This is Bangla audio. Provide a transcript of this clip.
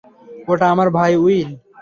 ওটা আমার ভাই উইল।